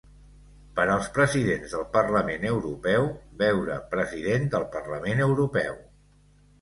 Per als presidents del Parlament Europeu, veure President del Parlament Europeu.